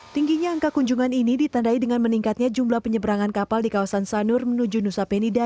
tingginya angka kunjungan ini ditandai dengan meningkatnya jumlah penyeberangan kapal di kawasan sanur menuju nusa penida